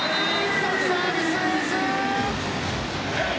サービスエース！